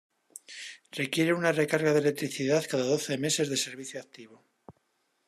Requiere una recarga de electricidad cada doce meses de servicio activo.